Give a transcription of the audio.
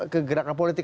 ke gerakan politik